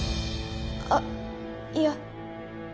あっいや。